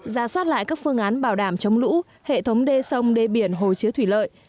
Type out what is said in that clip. ra soát lại các phương án bảo đảm chống lũ hệ thống đê sông đê biển hồ chứa thủy lợi